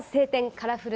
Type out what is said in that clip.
カラフル